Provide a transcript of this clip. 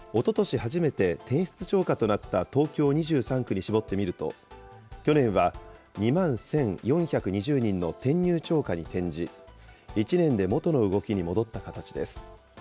初めて転出超過となった東京２３区に絞ってみると、去年は２万１４２０人の転入超過に転じ、１年で元の動きに戻った形です。